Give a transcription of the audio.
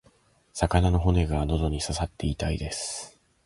魚の骨が喉に刺さって痛いです。